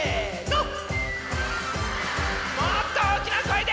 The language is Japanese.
もっとおおきなこえで！